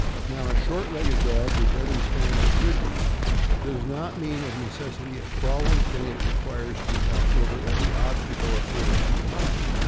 '' Now, a short legged dog, which every Spaniel should be, does not mean of necessity a crawling thing that requires to be helped over every obstacle a foot or two high.